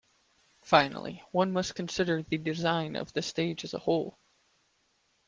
Finally, one must consider the design of the stage as a whole.